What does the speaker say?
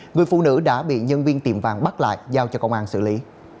người phụ nữ đã bị nhân viên tiệm vàng bắt lại giao cho công an xử lý